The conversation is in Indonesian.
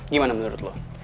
gimana menurut lo